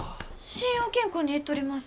信用金庫に行っとります。